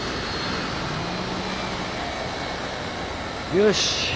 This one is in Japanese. よし。